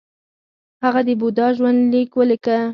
هغه د بودا ژوند لیک ولیکه